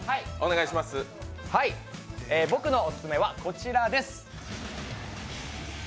僕のオススメはこちらです。